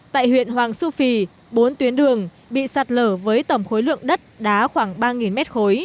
tại huyện hoàng su phi bốn tuyến đường bị sạt lở với tổng khối lượng đất đá khoảng ba m ba